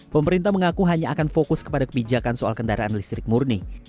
pemerintah mengaku hanya akan fokus kepada kebijakan soal kendaraan listrik murni